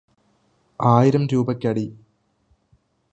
ആയിരം രൂപയ്ക്ക് അടി